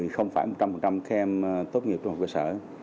không phải một trăm linh các em tốt nghiệp trung học cơ sở